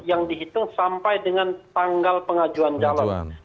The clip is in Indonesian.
yang dihitung sampai dengan tanggal pengajuan calon